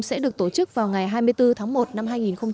sẽ được tổ chức vào ngày hai mươi bốn tháng một năm hai nghìn một mươi bảy